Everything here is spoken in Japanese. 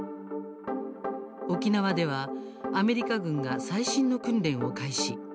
沖縄ではアメリカ軍が最新の訓練を開始。